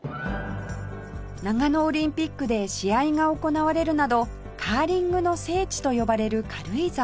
長野オリンピックで試合が行われるなどカーリングの聖地と呼ばれる軽井沢